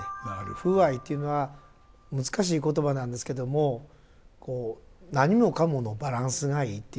風合いというのは難しい言葉なんですけどもこう何もかものバランスがいいということでしょうかね。